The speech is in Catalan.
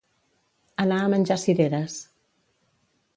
Anar a menjar cireres.